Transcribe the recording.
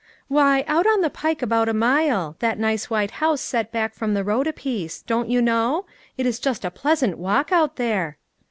" Why, out on the pike about a mile ; that nice white house set back from the road a piece ; don't you know? It is just a pleasant walk out there."